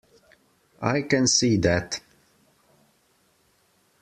I can see that.